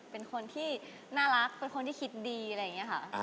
เป็นคนที่น่ารักเป็นคนที่คิดดีอะไรอย่างนี้ค่ะ